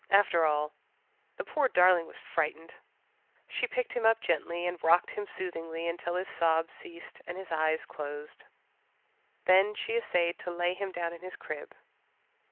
After all, the poor darling was frightened. She picked him up gently and rocked him soothingly until his sobs ceased and his eyes closed. Then she essayed to lay him down in his crib.